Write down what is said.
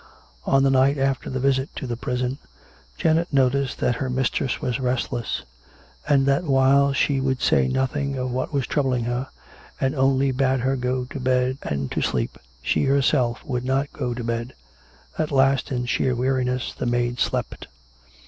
On the night after the visit to the prison, Janet noticed that her mistress was restless; and that while she would say nothing of what was troubling her, and only bade her go to bed and to sleep, she herself would not go to bed. At last, in sheer weariness, the maid slept.